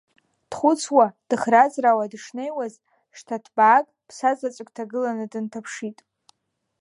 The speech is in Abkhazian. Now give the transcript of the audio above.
Дхәыцуа, дыхраа-ӡраауа дышнаиуаз, шҭа ҭбаак ԥса заҵәык ҭагыланы дынҭаԥшит.